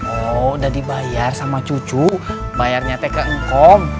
oh sudah dibayar sama cucu bayarnya tk ngkom